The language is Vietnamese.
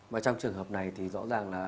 và trong trường hợp này thì rõ ràng là